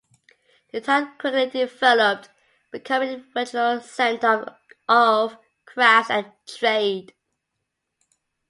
The town quickly developed, becoming a regional center of crafts and trade.